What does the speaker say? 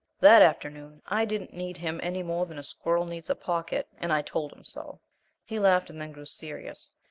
That afternoon I didn't need him any more than a squirrel needs a pocket, and I told him so. He laughed, and then grew serious.